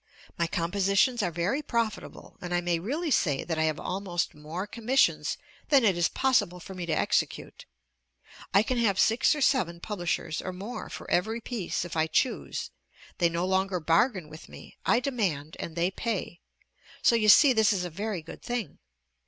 My compositions are very profitable, and I may really say that I have almost more commissions than it is possible for me to execute. I can have six or seven publishers or more for every piece if I choose: they no longer bargain with me I demand, and they pay so you see this is a very good thing.